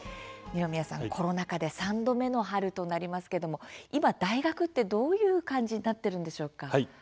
二宮さん、コロナ禍で３度目の春となりますけれども今、大学ってどういう感じになっているのでしょうか。